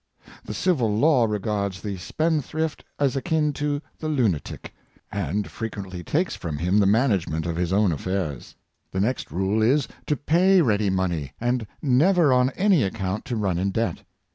The civil law regards the spendthrift as akin to the lunatic, and frequently takes from him the management of his own affairs. The next rule is, to pay ready money, and never, on any account, to run in debt.